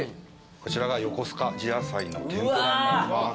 こちらが横須賀地野菜の天ぷらになります。